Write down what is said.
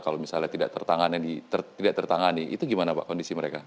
kalau misalnya tidak tertangani itu gimana pak kondisi mereka